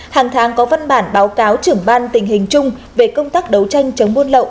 hàng tháng có văn bản báo cáo trưởng ban tình hình chung về công tác đấu tranh chống buôn lậu